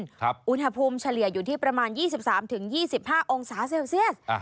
อุณหภูมิเฉลี่ยอยู่ที่ประมาณ๒๓๒๕องศาเซลเซียส